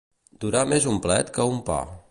Durar més un plet que un pa.